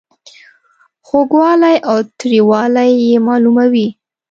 خوږوالی او تریووالی یې معلوموي.